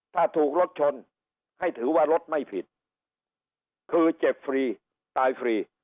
ถ้าถูกรถชนให้ถือว่ารถไม่ผิดคือเจ็บฟรีตายฟรี